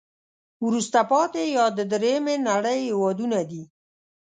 وروسته پاتې یا د دریمې نړی هېوادونه دي.